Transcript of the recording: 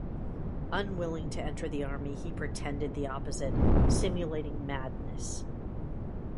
Unwilling to enter the army, he pretended the opposite, simulating madness.